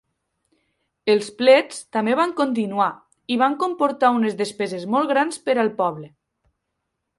Els plets també van continuar i van comportar unes despeses molt grans per al poble.